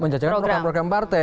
menjajakan program program partai